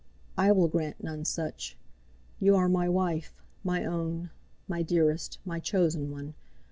I will grant none such. You are my wife, my own, my dearest, my chosen one.